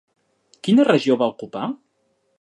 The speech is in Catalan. Quina regió va ocupar?